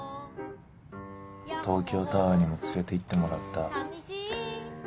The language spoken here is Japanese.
東京タワーにも連れていってもらった。